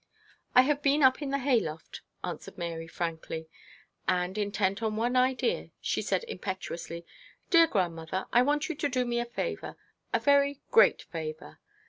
'I have been up in the hayloft,' answered Mary, frankly; and, intent on one idea, she said impetuously, 'Dear grandmother, I want you to do me a favour a very great favour.